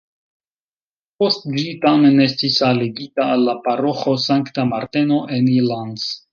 Post ĝi tamen estis aligita al la paroĥo Sankta Marteno en Ilanz.